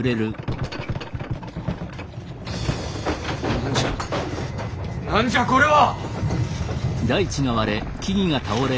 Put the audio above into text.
何じゃ何じゃこれは！